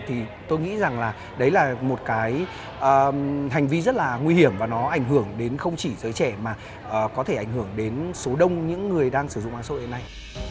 thì tôi nghĩ rằng là đấy là một cái hành vi rất là nguy hiểm và nó ảnh hưởng đến không chỉ giới trẻ mà có thể ảnh hưởng đến số đông những người đang sử dụng mạng xã hội này